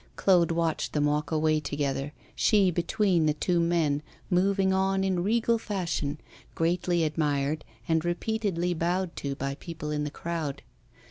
Claude watched them walk away together, she between the two men, moving on in regal fashion, greatly admired, and repeatedly bowed to by people in the crowd.